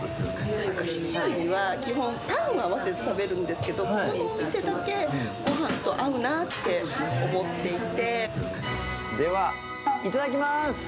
シチューには基本、パンに合わせて食べるんですけど、ここのお店だけ、では、いただきます。